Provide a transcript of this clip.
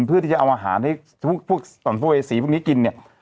เพื่อที่จะเอาอาหารให้พวกสัมภเวษีพวกนี้กินเนี่ย